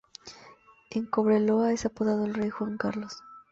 En Cobreloa es apodado "El Rey Juan Carlos".